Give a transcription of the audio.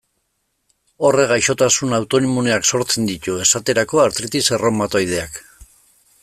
Horrek gaixotasun autoimmuneak sortzen ditu, esterako artritis erreumatoideak.